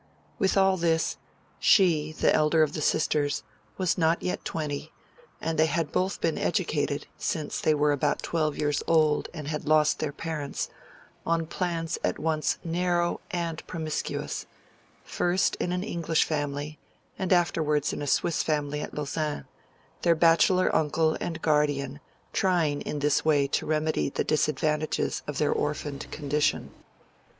With all this, she, the elder of the sisters, was not yet twenty, and they had both been educated, since they were about twelve years old and had lost their parents, on plans at once narrow and promiscuous, first in an English family and afterwards in a Swiss family at Lausanne, their bachelor uncle and guardian trying in this way to remedy the disadvantages of their orphaned condition.